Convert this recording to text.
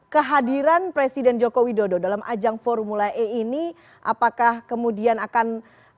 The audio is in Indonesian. kehadiran presiden joko widodo dalam ajang formula e ini apakah kemudian akan